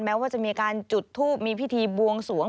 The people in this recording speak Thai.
ว่าจะมีการจุดทูปมีพิธีบวงสวง